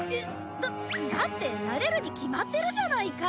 だだってなれるに決まってるじゃないか。